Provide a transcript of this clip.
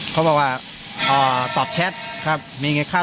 เขาบอกว่าดแลก